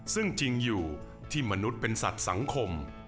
ซึ่งจริงอยู่ที่มนุษย์เป็นสัตว์สังคม